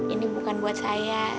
ini bukan buat saya